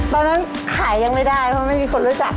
ตอนนั้นขายยังไม่ได้เพราะไม่มีคนรู้จัก